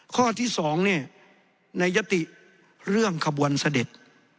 ข้อที่๒เนี่ยในยติเรื่องขบวนเสด็จ